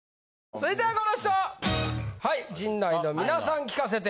続いてはこの人！